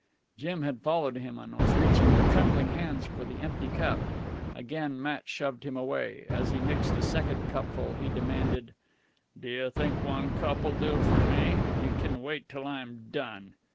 Jim had followed him and was reaching with trembling hands for the empty cup. Again Matt shoved him away. As he mixed a second cupful, he demanded: "D'you think one cup'll do for me? You can wait till I'm done."